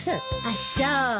あっそう。